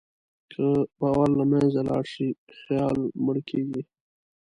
که باور له منځه لاړ شي، خیال مړ کېږي.